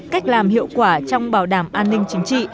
cách làm hiệu quả trong bảo đảm an ninh chính trị